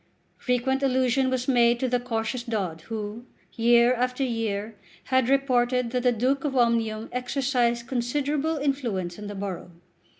Frequent allusion was made to the cautious Dod who, year after year, had reported that the Duke of Omnium exercised considerable influence in the borough.